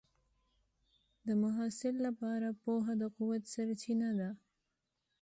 د محصل لپاره پوهه د قوت سرچینه ده.